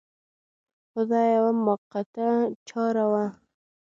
خو دا یوه موقته چاره وه.